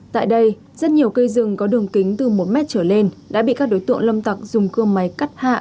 tại đây rất nhiều cây rừng có đường kính từ một mét trở lên đã bị các đối tượng lâm tặc dùng cưa máy cắt hạ